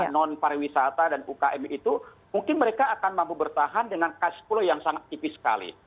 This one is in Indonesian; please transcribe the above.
non pariwisata dan ukm itu mungkin mereka akan mampu bertahan dengan cash flow yang sangat tipis sekali